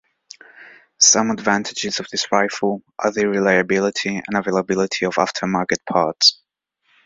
Some advantages of this rifle are the reliability and availability of aftermarket parts.